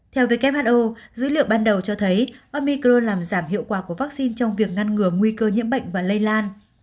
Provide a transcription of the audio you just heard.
theo who dữ liệu ban đầu cho thấy omicro làm giảm hiệu quả của vaccine trong việc ngăn ngừa nguy cơ nhiễm bệnh và lây lan